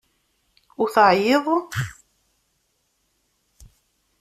Ur teɛyiḍ?